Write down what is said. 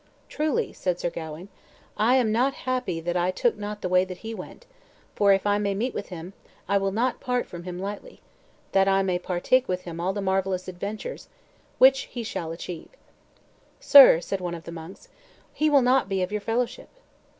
"Truly," said Sir Gawain, "I am not happy that I took not the way that he went, for, if I may meet with him, I will not part from him lightly, that I may partake with him all the marvellous adventures which he shall achieve." "Sir," said one of the monks, "he will not be of your fellowship."